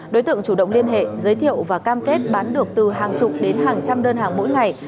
đối tượng chủ động liên hệ giới thiệu và cam kết bán được từ hàng chục đến hàng trăm đơn hàng mỗi ngày